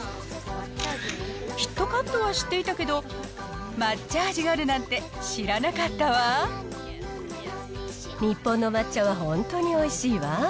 キットカットは知っていたけど、抹茶味があるなんて、知らな日本の抹茶は本当においしいわ。